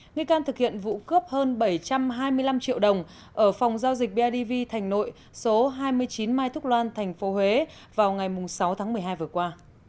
nghi can thực hiện vụ cướp hơn bảy trăm hai mươi năm triệu đồng ở phòng giao dịch bidv thành nội số hai mươi chín mai thúc loan tp huế vào ngày sáu tháng một mươi hai vừa qua